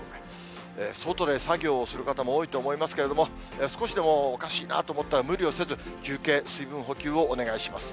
外で作業する方も多いと思いますけれども、少しでもおかしいなと思ったら無理をせず、休憩、水分補給をお願いします。